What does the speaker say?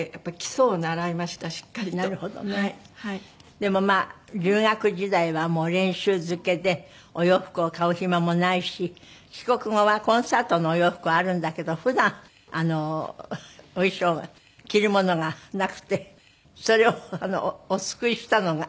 でも留学時代は練習漬けでお洋服を買う暇もないし帰国後はコンサートのお洋服はあるんだけど普段お衣装が着るものがなくてそれをお救いしたのが。